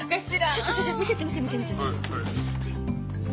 ちょっとちょっと見せて見せて見せて。